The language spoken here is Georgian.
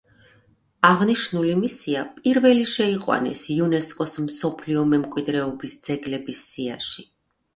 აღნიშნული მისია პირველი შეიყვანეს იუნესკოს მსოფლიო მემკვიდრეობის ძეგლების სიაში.